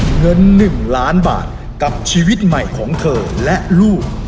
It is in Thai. เงิน๑ล้านบาทกับชีวิตใหม่ของเธอและลูก